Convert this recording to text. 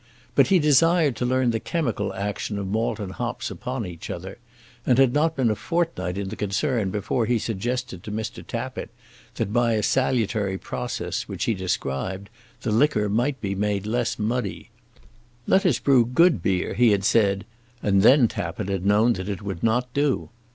But he desired to learn the chemical action of malt and hops upon each other, and had not been a fortnight in the concern before he suggested to Mr. Tappitt that by a salutary process, which he described, the liquor might be made less muddy. "Let us brew good beer," he had said; and then Tappitt had known that it would not do.